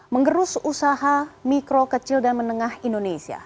mengerus usaha mikro kecil dan menengah indonesia